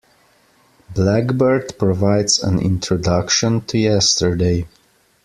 "Blackbird" provides an introduction to "Yesterday".